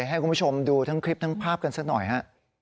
ให้คุณผู้ชมดูทั้งคลิปทั้งภาพกันสักหน่อยฮะ